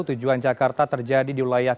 tujuan jakarta terjadi di wilayah